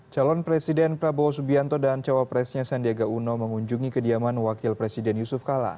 calon presiden prabowo subianto dan cawapresnya sandiaga uno mengunjungi kediaman wakil presiden yusuf kala